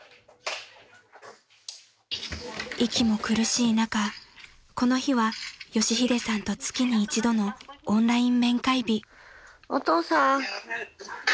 ［息も苦しい中この日は佳秀さんと月に一度のオンライン面会日］